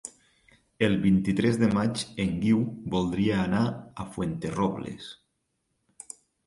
El vint-i-tres de maig en Guiu voldria anar a Fuenterrobles.